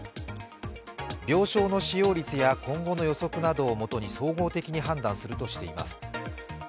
病床の使用率や今後の予測などを基に総合的に判断するとしています。